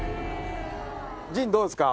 ジンどうですか？